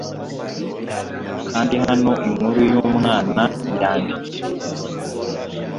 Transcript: kandi hano inkuru yumwana yanditse